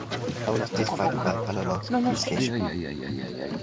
Long lost this fight by unanimous decision.